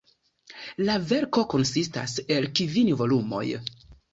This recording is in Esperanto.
La verko konsistas el kvin volumoj.